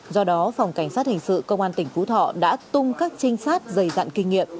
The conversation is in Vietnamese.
do đó phòng cảnh sát hình sự công an tỉnh phú thọ đã tung các trinh sát dày dặn kinh nghiệm